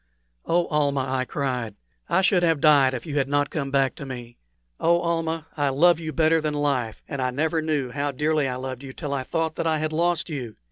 "Oh, Almah," I cried. "I should have died if you had not come back to me! Oh, Almah, I love you better than life and I never knew how dearly I loved you till I thought that I had lost you!